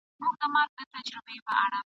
سره لمبه سم چي نه وینې نه مي اورې په غوږونو !.